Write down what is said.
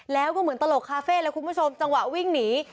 แล้วก็เหมือนตลกคาเฟ่เลยคุณผู้ชมจังหวะวิ่งหนี